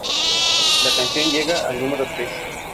La canción llega al número tres.